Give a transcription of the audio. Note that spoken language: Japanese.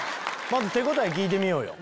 まず手応え聞いてみようよ。